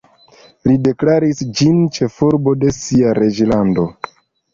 Li deklaris ĝin ĉefurbo de sia reĝlando.